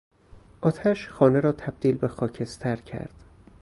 آتش خانه را تبدیل به خاکستر کرد.